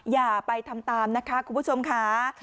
อย่าไปทำตามนะคะคุณผู้ชมค่ะ